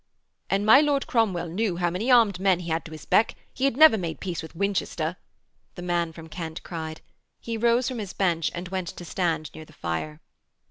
'An my Lord Cromwell knew how many armed men he had to his beck he had never made peace with Winchester,' the man from Kent cried. He rose from his bench and went to stand near the fire.